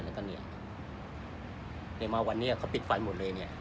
แล้วก็เนี่ยมาวันนี้เขาปิดไฟหมดเลยเนี่ย